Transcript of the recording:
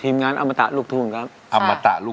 ทีมงานอัมตาลูกทุ่งครับ